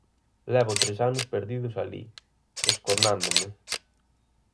Levo tres anos perdidos alí, escornándome.